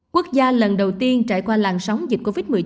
quốc gia lần đầu tiên trải qua làn sóng dịch covid một mươi chín